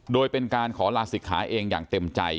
โดยเป็นการขอลาศิกขาเองอย่างเต็มใจ